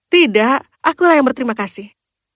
tidak akulah yang berterima kasih